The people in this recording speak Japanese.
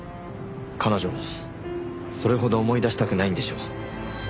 彼女もそれほど思い出したくないんでしょう。